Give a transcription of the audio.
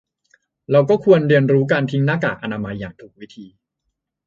เราก็ควรเรียนรู้การทิ้งหน้ากากอนามัยอย่างถูกวิธี